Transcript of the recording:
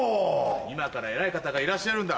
今から偉い方がいらっしゃるんだ。